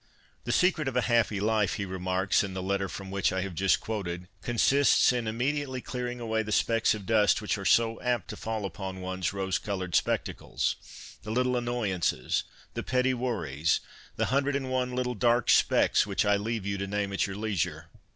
' The secret of a happy life,' he remarks, in the letter from which I have just quoted, ' consists in immediately clearing away the specks of dust which are so apt to fall upon one's rose coloured spectacles, the little annoyances, the petty worries, the hundred and one little dark specks which I leave you to name at your leisure.'